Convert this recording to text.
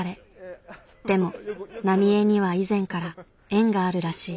でも浪江には以前から縁があるらしい。